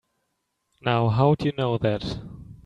Now how'd you know that?